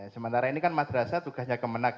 sementara ini kan madrasah tugasnya kemenang